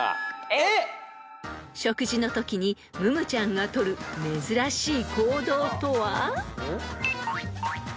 ［食事のときにムムちゃんがとる珍しい行動とは］